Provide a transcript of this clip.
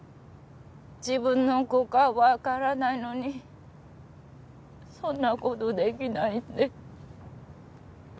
自分の子かわからないのにそんな事できないって。